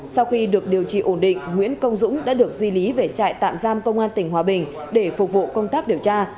sau khi được điều trị ổn định nguyễn công dũng đã được di lý về trại tạm giam công an tỉnh hòa bình để phục vụ công tác điều tra